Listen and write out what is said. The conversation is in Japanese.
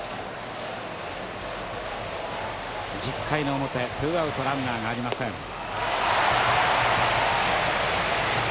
１０回の表ツーアウトランナーがありません。